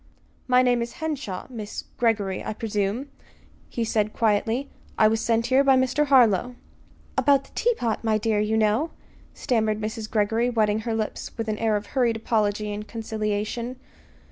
"My name is Henshaw, Miss Greggory, I presume," he said quietly. "I was sent here by Mr. Harlow." "About the teapot, my dear, you know," stammered Mrs. Greggory, wetting her lips with an air of hurried apology and conciliation.